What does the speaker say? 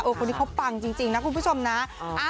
คนนี้เขาปังจริงนะคุณผู้ชมนะ